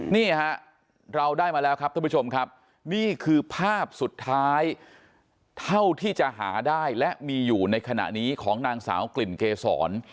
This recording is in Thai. นี่ฮะเราได้มาแล้วครับท่านผู้ชมครับนี่คือภาพสุดท้ายเท่าที่จะหาได้และมีอยู่ในขณะนี้ของนางสาวกลิ่นเกษร